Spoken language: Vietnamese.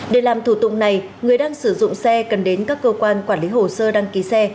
để làm thủ tục này người đang sử dụng xe cần đến các cơ quan quản lý hồ sơ đăng ký xe